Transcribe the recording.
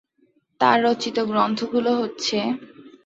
তার রচিত গ্রন্থগুলো হচ্ছে,